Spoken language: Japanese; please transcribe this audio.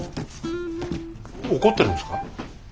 怒ってるんですか？